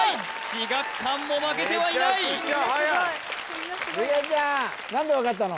志學館も負けてはいない弓削ちゃん何で分かったの？